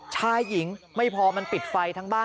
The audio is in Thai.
ชายหญิงไม่พอมันปิดไฟทั้งบ้าน